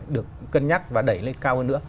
được cân nhắc và đẩy lên cao hơn nữa